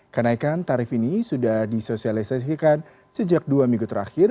kenaikan tarif ini sudah disosialisasikan sejak dua minggu terakhir